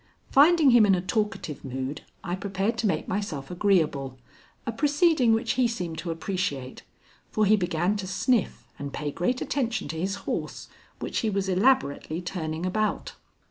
Finding him in a talkative mood, I prepared to make myself agreeable, a proceeding which he seemed to appreciate, for he began to sniff and pay great attention to his horse, which he was elaborately turning about.